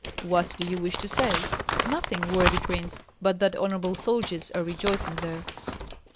"What do you wish to say?" "Nothing, worthy prince, but that honorable soldiers are rejoicing there."